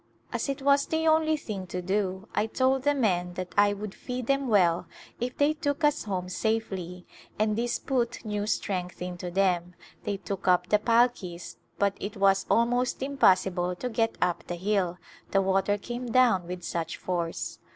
As it was the only thing to do I told the men that I would fee them well if they took us home safely, and this put new strength into them ; they took up the palkis but it was almost impossible to get up the hill, the water came down with such force.